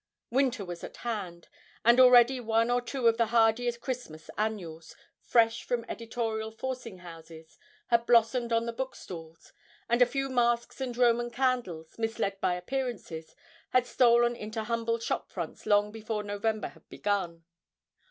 Winter was at hand, and already one or two of the hardier Christmas annuals, fresh from editorial forcing houses, had blossomed on the bookstalls, and a few masks and Roman candles, misled by appearances, had stolen into humble shop fronts long before November had begun.